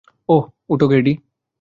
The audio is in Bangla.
ওঠো, গর্ডি।